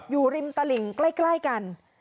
อยู่ริมตลิ่งใกล้กัน